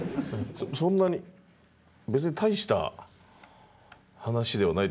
そんなに別に大した話ではないというか。